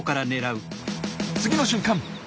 次の瞬間！